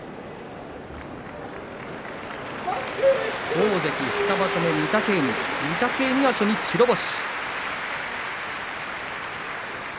大関２場所目の御嶽海御嶽海は初日白星。